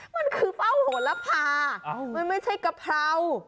มันคือเป้าโหลภามันไม่ใช่กะเพรา